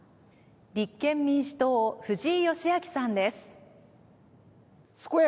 立憲民主党ふじい芳明さんです。